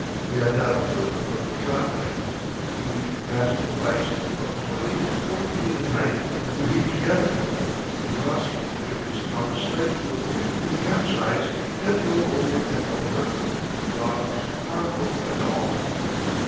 We had not a foot of level travelling. Huge masses of ice from twenty to forty feet in height were heaped together; in crossing these ridges our sledge would frequently capsize and roll over and over dogs, cargo, and all."